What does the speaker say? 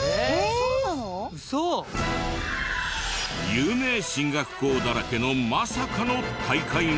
有名進学校だらけのまさかの大会が。